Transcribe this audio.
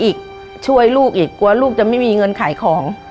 อีกช่วยลูกอีกกลัวลูกจะไม่มีเงินขายของ